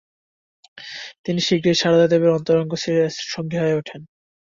তিনি শীঘ্রই সারদা দেবীর অন্তরঙ্গ সঙ্গী হয়ে ওঠেন।